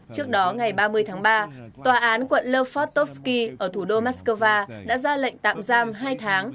trước đó ngày ba mươi tháng ba tòa án quận lefortovsky ở thủ đô moscow đã ra lệnh tạm giam hai tháng